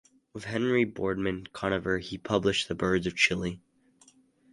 With Henry Boardman Conover he published "The Birds of Chile".